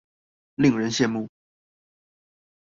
令人羡慕